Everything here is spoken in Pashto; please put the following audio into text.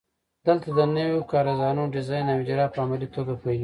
دلته د نویو کارزارونو ډیزاین او اجرا په عملي توګه پیلیږي.